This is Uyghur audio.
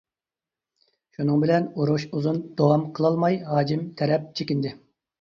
شۇنىڭ بىلەن ئۇرۇش ئۇزۇن داۋام قىلالماي ھاجىم تەرەپ چېكىندى.